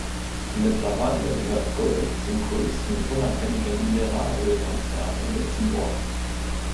Mittlerweile gehört Gulf zum größten unabhängigen Mineralölkonzern in Luxemburg.